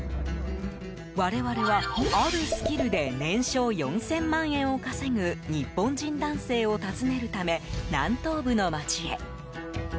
我々は、あるスキルで年商４０００万円を稼ぐ日本人男性を訪ねるため南東部の街へ。